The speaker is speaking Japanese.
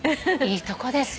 いいとこですよ。